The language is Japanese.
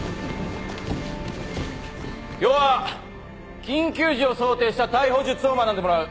今日は緊急時を想定した逮捕術を学んでもらう。